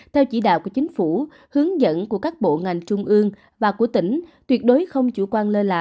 theo chỉ đạo của chính phủ hướng dẫn của các bộ ngành trung ương và của tỉnh tuyệt đối không chủ quan lơ lạ